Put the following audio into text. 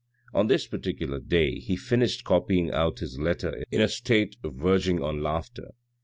On this particular day he finished copying out his letter in a state verging on laughter.